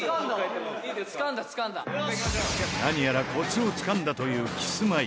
何やらコツをつかんだというキスマイ。